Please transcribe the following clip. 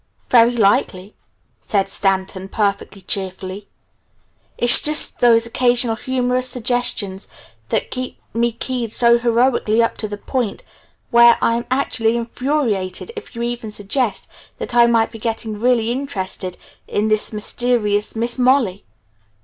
"Very likely," said Stanton perfectly cheerfully. "It's just those occasional humorous suggestions that keep me keyed so heroically up to the point where I'm actually infuriated if you even suggest that I might be getting really interested in this mysterious Miss Molly!